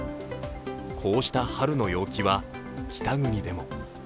こうした春の陽気は北国でも。